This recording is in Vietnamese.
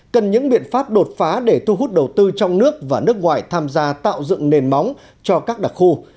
cần những biện pháp đột phá để thu hút đầu tư trong nước và nước ngoài tham gia tạo dựng nền móng cho các đặc khu